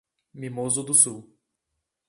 Mimoso do Sul